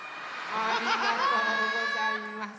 ありがとうございます。